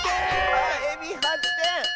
あっエビ８てん！